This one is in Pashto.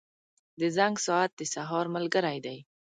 • د زنګ ساعت د سهار ملګری دی.